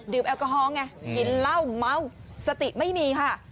แอลกอฮอลไงกินเหล้าเมาสติไม่มีค่ะ